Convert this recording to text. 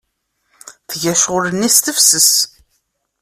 Tga ccɣel-nni s tefses.